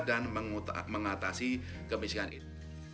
dan mengatasi kemiskinan itu